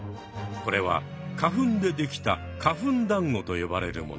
これは花粉でできた花粉だんごと呼ばれるもの。